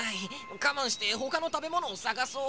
がまんしてほかのたべものをさがそう。